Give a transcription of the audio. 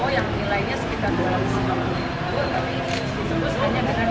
yang diberikan adalah dari rumah kria asri jakarta selatan